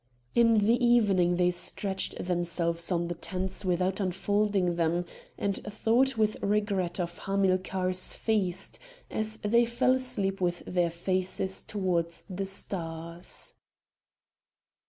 In the evening they stretched themselves on the tents without unfolding them; and thought with regret of Hamilcar's feast, as they fell asleep with their faces towards the stars.